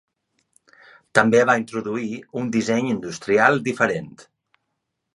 També va introduir un disseny industrial diferent.